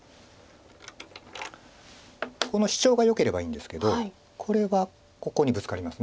このシチョウがよければいいんですけどこれはここにブツカります。